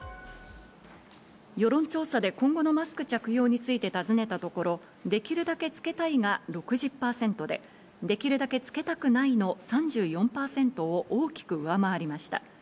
世論調査で今後のマスク着用について尋ねたところ、できるだけ着けたいが６０％で、できるだけ着けたくないの３４％を大きく上回りました。